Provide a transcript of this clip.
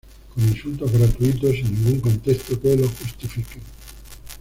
con insultos gratuitos sin ningún contexto que los justifiquen